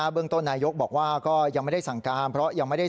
เบื้องโตนายกบอกว่าก็ยังไม่ได้สั่งการ